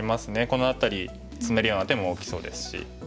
この辺りツメるような手も大きそうですし。